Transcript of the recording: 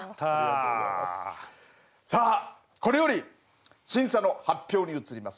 さあこれより審査の発表に移ります。